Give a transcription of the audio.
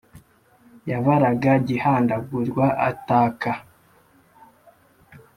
Yabaraga Gihandagurwa ataka